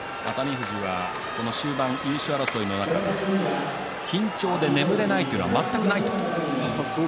富士は終盤、優勝争いで緊張で眠れないということは全くないと。